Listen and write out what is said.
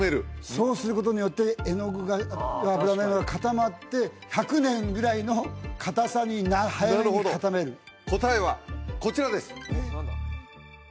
そうすることによって絵の具が油絵が固まって１００年ぐらいの固さに早めに固める答えはこちらです！